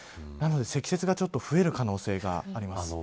なので、積雪が増える可能性があります。